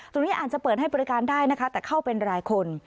อาจจะเปิดให้บริการได้นะคะแต่เข้าเป็นรายคน